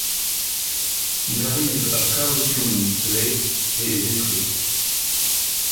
Il arrive à Kaohsiung le et est détruit.